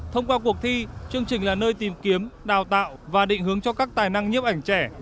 thông qua cuộc thi chương trình là nơi tìm kiếm đào tạo và định hướng cho các tài năng nhiếp ảnh trẻ